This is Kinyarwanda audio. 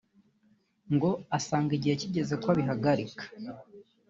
ngo asanga igihe kigeze ko abihagarika